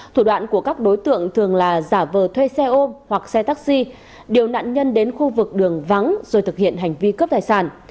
thủ đoạn của các đối tượng thường là giả vờ thuê xe ôm hoặc xe taxi điều nạn nhân đến khu vực đường vắng rồi thực hiện hành vi cướp tài sản